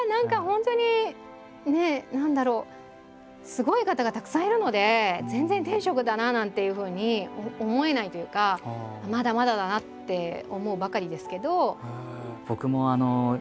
すごい方がたくさんいるので全然天職だななんていうふうに思えないというかまだまだだなって思うばかりですけど。